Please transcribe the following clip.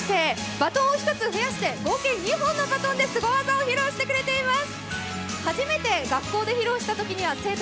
バトンを１つ増やして合計２本のバトンでスゴ技を披露していただいています。